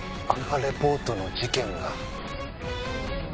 αレポートの事件が。